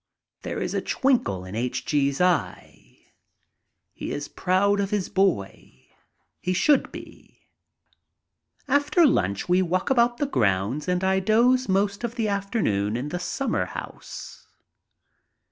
There is a twinkle in H. G.'s eye. He is proud of his boy. He should be. After lunch we walk about the grounds and I doze most of the afternoon in the summerhouse.